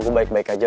gue baik baik aja